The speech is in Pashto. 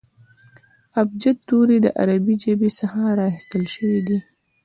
ابجد توري د عربي ژبي څخه را اخستل سوي دي.